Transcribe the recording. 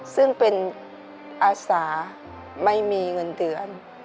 ซึ่งเป็นอาสาไม่มีเงินเดือน